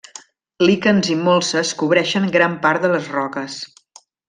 Líquens i molses cobreixen gran part de les roques.